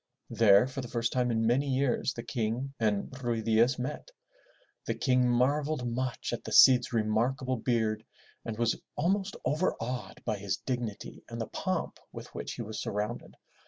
There for the first time in many years, the King and Ruy Diaz met. The King marveled much at the Cid's remarkable beard and was almost overawed by his dignity and the pomp with which he was surrounded.